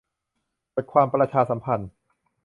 - บทความประชาสัมพันธ์